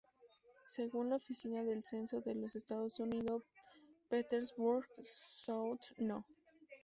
Según la Oficina del Censo de los Estados Unidos, Petersburg South No.